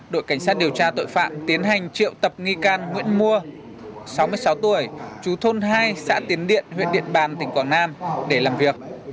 đội cảnh sát điều tra tội phạm tiến hành triệu tập nghi can nguyễn mua sáu mươi sáu tuổi chú thôn hai xã tiến điện huyện điện bàn tỉnh quảng nam để làm việc